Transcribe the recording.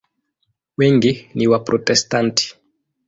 Wengi ni Waprotestanti.